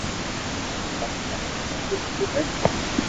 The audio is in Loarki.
سندھ پاڪستان رو ايڪ موٽو صوبو ھي